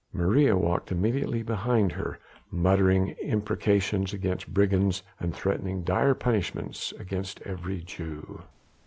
Maria walked immediately behind her, muttering imprecations against brigands, and threatening dire punishments against every Jew.